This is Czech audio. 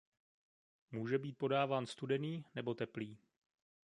Může být podáván studený nebo teplý.